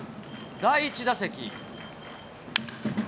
第１打席。